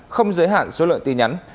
không giới hạn số lượng tin nhắn